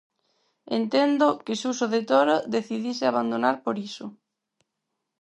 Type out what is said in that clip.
Entendo que Suso de Toro decidise abandonar, por iso.